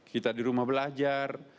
kita di rumah belajar